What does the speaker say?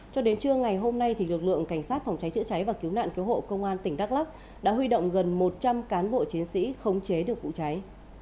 cho đến trưa ngày hôm nay lực lượng cảnh sát phòng cháy chữa cháy và cứu nạn cứu hộ công an tỉnh đắk lắk đã huy động gần một trăm linh cán bộ chiến sĩ khống chế được vụ cháy